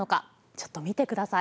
ちょっと見てください。